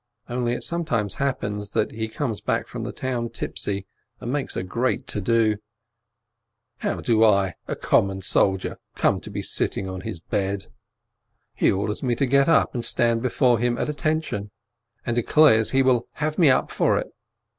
Only it sometimes happens that he comes back from town tipsy, and makes a great to do : How do I, a com mon soldier, come to be sitting on his bed ? MILITARY SERVICE 291 He orders me to get up and stand before him "at attention/' and declares he will "have me up" for it.